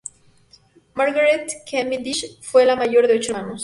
Margaret Cavendish fue la mayor de ocho hermanos.